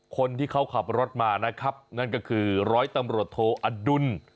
คนที่เขาขับรถมานะครับนั่นก็คือร้อยตำรวจโทอดุล